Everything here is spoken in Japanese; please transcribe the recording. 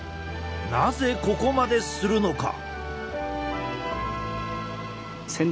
なぜここまでするのか。